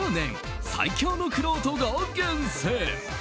最強のくろうとが厳選。